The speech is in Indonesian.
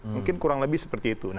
mungkin kurang lebih seperti itu